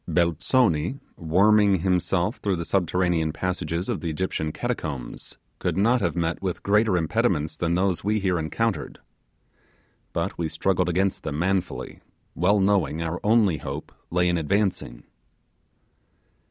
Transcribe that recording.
Belzoni, worming himself through the subterranean passages of the Egyptian catacombs, could not have met with great impediments than those we here encountered. But we struggled against them manfully, well knowing our only hope lay in advancing.